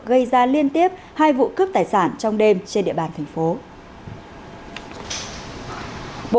gây ra liên tiếp hai vụ cướp tài sản trong đêm trên địa bàn tp hcm